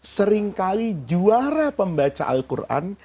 seringkali juara pembaca al quran